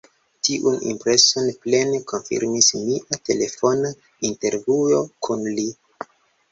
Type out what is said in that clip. Tiun impreson plene konfirmis mia telefona intervjuo kun li.